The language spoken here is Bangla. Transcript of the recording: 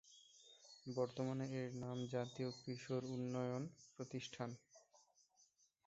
বর্তমানে এর নাম জাতীয় কিশোর উন্নয়ন প্রতিষ্ঠান।